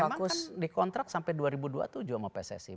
memang dikontrak sampai dua ribu dua puluh tujuh sama pssi